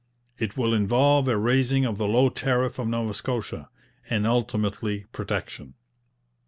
It will involve a raising of the low tariff of Nova Scotia, and ultimately protection.